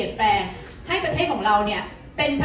อ๋อแต่มีอีกอย่างนึงค่ะ